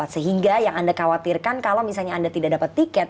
sehingga yang anda khawatirkan kalau misalnya anda tidak dapat tiket